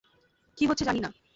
কী হচ্ছে জানি না।